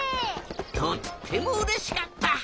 とってもうれしかった！